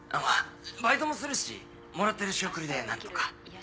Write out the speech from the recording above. バイトもするしもらってる仕送りで何とか。